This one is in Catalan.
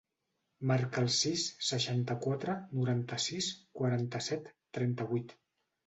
Marca el sis, seixanta-quatre, noranta-sis, quaranta-set, trenta-vuit.